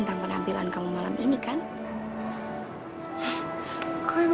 sampai jumpa di video selanjutnya